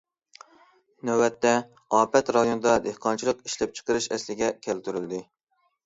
نۆۋەتتە، ئاپەت رايونىدا دېھقانچىلىق ئىشلەپچىقىرىشى ئەسلىگە كەلتۈرۈلدى.